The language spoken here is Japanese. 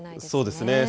そうですね。